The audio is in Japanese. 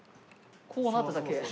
こうなっただけ。